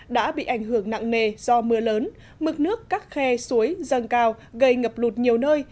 đã bị ảnh hưởng nặng nề do mưa lớn mực nước các khe suối dâng cao gây ngập lụt nhiều nơi